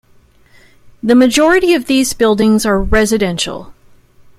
The majority of these buildings are residential.